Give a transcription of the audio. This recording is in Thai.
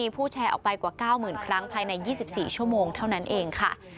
พูดแชร์ออกไปกว่า๙๐๐๐๐ครั้ง